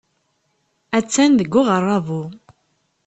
Attan deg uɣerrabu.